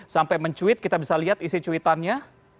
sampai mencuit kita bisa lihat isi cuitannya